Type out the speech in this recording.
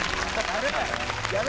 やる？